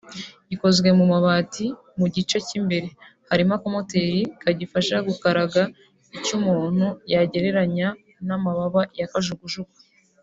gikozwe mu mabati mu gice cy’imbere harimo akamoteri kagifasha gukaraga icyo umuntu yagereranya n’amababa ya kajugujugu